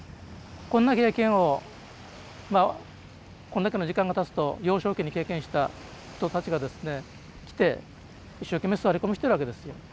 こんな経験をまあこんだけの時間がたつと幼少期に経験した人たちがですね来て一生懸命座り込みしてるわけですよ。